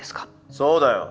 そうだよ。